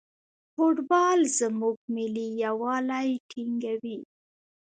فوټبال زموږ ملي یووالی ټینګوي.